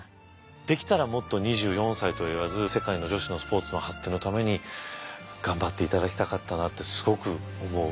できたらもっと２４歳といわず世界の女子のスポーツの発展のために頑張っていただきたかったなってすごく思う。